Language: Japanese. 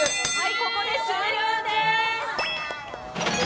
ここで終了です。